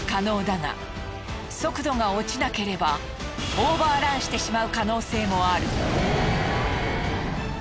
速度が落ちなければオーバーランしてしまう可能性もある。